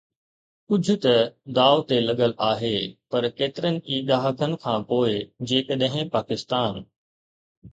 ڪجهه ته داءُ تي لڳل آهي پر ڪيترن ئي ڏهاڪن کانپوءِ جيڪڏهن پاڪستان